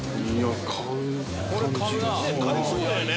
買いそうだよね。